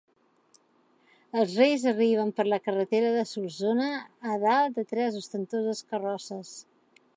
Els Reis arriben per la carretera de Solsona, a dalt de tres ostentoses carrosses.